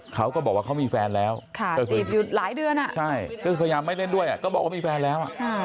เขาก็บอกว่าเขามีแฟนแล้วก็คือหลายเดือนก็พยายามไม่เล่นด้วยก็บอกว่ามีแฟนแล้ว